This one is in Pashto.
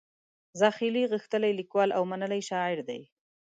زاخیلي غښتلی لیکوال او منلی شاعر و.